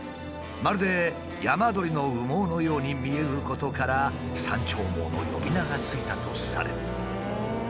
まるで山鳥の羽毛のように見えることから「山鳥毛」の呼び名が付いたとされる。